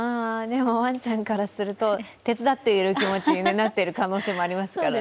ワンちゃんからすると手伝っている気持ちになっている可能性もありますからね。